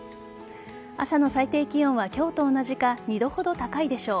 朝の最低気温は今日と同じか２度ほど高いでしょう。